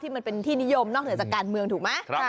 มันเป็นที่นิยมนอกเหนือจากการเมืองถูกไหม